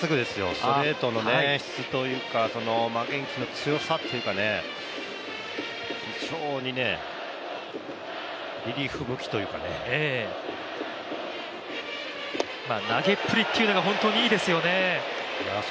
ストレートの質というか、負けん気の強さというか非常にリリーフ向きというかね、投げっぷりっていうのが本当にいいですよね。